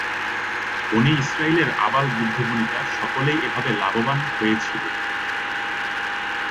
বনী ইসরাঈলের আবাল বৃদ্ধবনিতা সকলেই এভাবে লাভবান হয়েছিল।